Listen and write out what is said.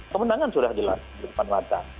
kemenangan sudah jelas di depan mata